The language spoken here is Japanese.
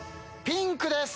ピンクです。